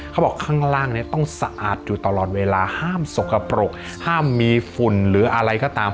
เขาบอกข้างล่างเนี่ยต้องสะอาดอยู่ตลอดเวลาห้ามสกปรกห้ามมีฝุ่นหรืออะไรก็ตาม